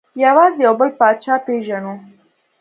یوازې یو بل پاچا پېژنو.